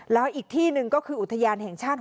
แล้วอีกที่หนึ่งก็คืออุทยานแห่งชาติ